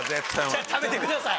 ちゃう食べてください。